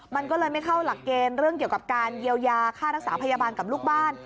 มันก็เลยไม่เข้าหลักเกณฑ์เรื่องเกี่ยวกับการเยียวยาค่ารักษาพยาบาลกับลูกบ้าน